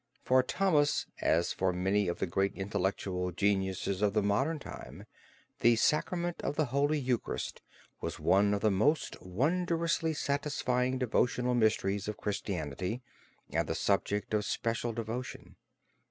For Thomas as for many of the great intellectual geniuses of the modern time, the sacrament of the Holy Eucharist was one of the most wondrously satisfying devotional mysteries of Christianity and the subject of special devotion.